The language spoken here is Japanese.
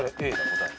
答え。